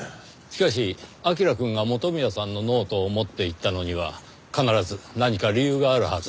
しかし彬くんが元宮さんのノートを持っていったのには必ず何か理由があるはずです。